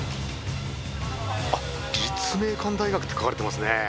立命館大学って書かれてますね。